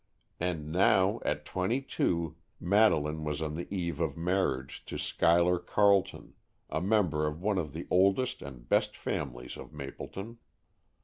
And now, at twenty two, Madeleine was on the eve of marriage to Schuyler Carleton, a member of one of the oldest and best families of Mapleton.